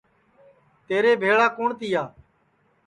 تیرے بھیݪا کُوٹؔ تِیا